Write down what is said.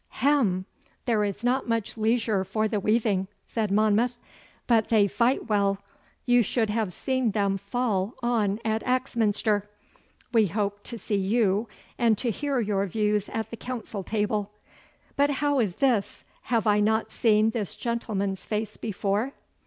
'Hem! There is not much leisure for the weaving,' said Monmouth. 'But they fight well. You should have seen them fall on at Axminster! We hope to see you and to hear your views at the council table. But how is this? Have I not seen this gentleman's face before?